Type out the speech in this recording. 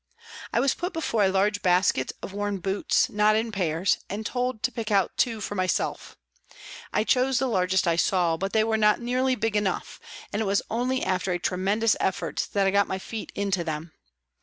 I was put before a large basket of worn boots, not in pairs, and told to pick out two for myself. I chose the largest I saw, but they were not nearly big 262 PRISONS AND PRISONERS enough, and it was only after a tremendous effort that I got my feet into them.